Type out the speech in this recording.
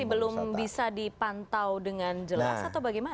itu masih belum bisa dipantau dengan jelas atau bagaimana